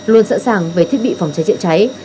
luôn sẵn sàng về thiết bị phòng cháy chữa cháy